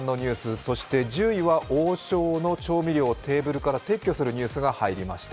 そして１０位は王将の調味料をテーブルから撤去するニュースが入りました。